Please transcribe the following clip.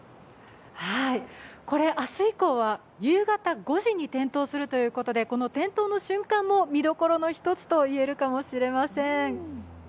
これ、明日以降は夕方５時に点灯するということでこの点灯の瞬間も見どころの一つといえるかもしれません。